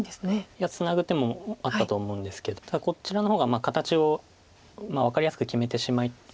いやツナぐ手もあったと思うんですけどただこちらの方が形を分かりやすく決めて。